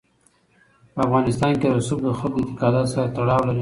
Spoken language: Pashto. په افغانستان کې رسوب د خلکو د اعتقاداتو سره تړاو لري.